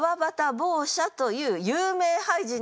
茅舎という有名俳人の句です。